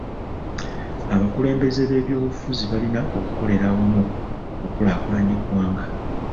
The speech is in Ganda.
Abakulembeze b'ebyobufuzi balina okukolera awamu okukulaakulanya eggwanga.